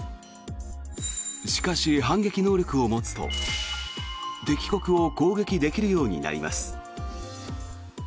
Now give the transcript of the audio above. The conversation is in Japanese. しかし、反撃能力を持つと敵国を攻撃できるようになります。